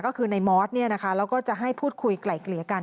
ก็คือในมอสแล้วก็จะให้พูดคุยไกล่เกลี่ยกัน